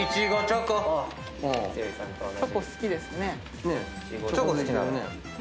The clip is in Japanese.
チョコ好きなの。